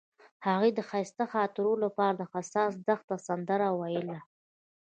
هغې د ښایسته خاطرو لپاره د حساس دښته سندره ویله.